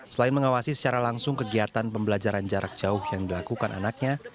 selain mengawasi secara langsung kegiatan pembelajaran jarak jauh yang dilakukan anaknya